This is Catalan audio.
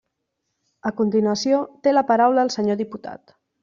A continuació té la paraula el senyor diputat.